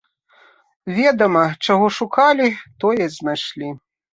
Ведама, чаго шукалі, тое знайшлі.